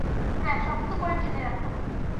হ্যাঁ, শক্ত করে টেনে রাখো।